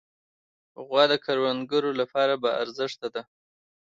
غوا د کروندګرو لپاره باارزښته ده.